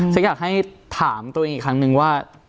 อยากให้ถามตัวเองอีกครั้งนึงว่า